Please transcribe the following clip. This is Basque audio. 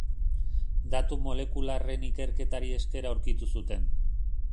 Datu molekularren ikerketari esker aurkitu zuten.